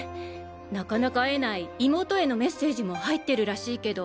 なかなか会えない妹へのメッセージも入ってるらしいけど。